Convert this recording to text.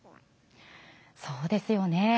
そうですよね。